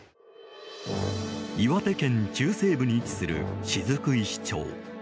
岩手県中西部に位置する雫石町。